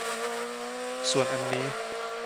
ส่วนอันนี้